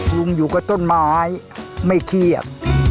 อยู่กับต้นไม้ไม่เครียด